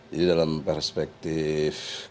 jadi dalam perspektif